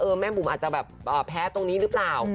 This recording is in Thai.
แม่บุ๋มอาจจะแบบแพ้ตรงนี้หรือเปล่า